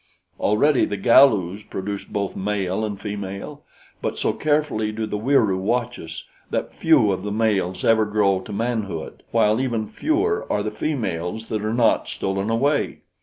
Already the Galus produce both male and female; but so carefully do the Wieroo watch us that few of the males ever grow to manhood, while even fewer are the females that are not stolen away.